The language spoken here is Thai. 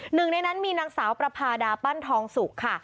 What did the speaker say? หนึ่งในนั้นมีนางสาวประพาดาปั้นทองสุกค่ะ